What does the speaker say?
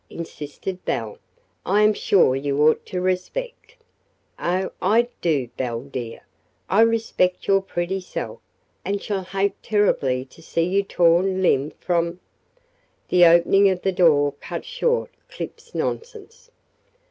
insisted Belle. "I am sure you ought to respect " "Oh, I do, Belle, dear! I respect your pretty self, and shall hate terribly to see you torn limb from " The opening of the door cut short Clip's nonsense.